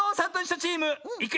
チームいくよ！